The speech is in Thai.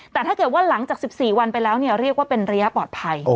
แต่ถ้าเกิดว่าหลังจาก๑๔วันไปแล้วเรียกว่าเป็นระยะปลอดภัย